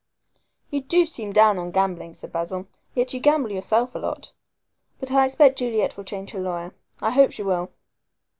"You do seem down on gambling," said Basil, "yet you gamble yourself a lot. But I expect Juliet will change her lawyer. I hope she will."